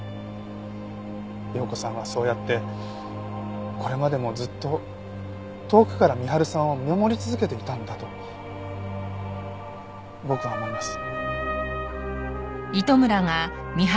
葉子さんはそうやってこれまでもずっと遠くから深春さんを見守り続けていたんだと僕は思います。